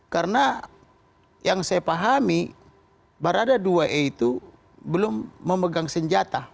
karena yang saya pahami barada dua e itu belum memegang senjata